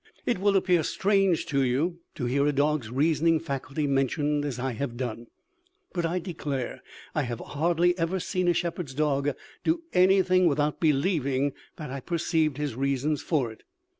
"It will appear strange to you to hear a dog's reasoning faculty mentioned as I have done; but I declare I have hardly ever seen a shepherd's dog do anything without believing that I perceived his reasons for it.